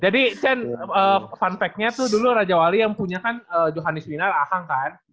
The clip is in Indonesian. jadi cen fun fact nya tuh dulu raja wali yang punya kan johannes wiener ahang kan